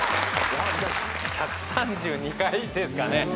１３２回ですかね。